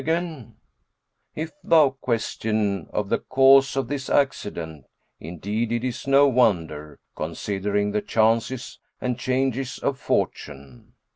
'[FN#394] If thou question of the cause of this accident, indeed it is no wonder, considering the chances and changes of Fortune.